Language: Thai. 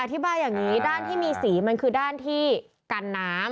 อธิบายอย่างนี้ด้านที่มีสีมันคือด้านที่กันน้ำ